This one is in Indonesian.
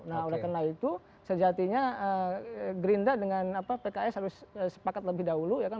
nah oleh karena itu sejatinya gerindra dengan pks harus sepakat lebih dahulu ya kan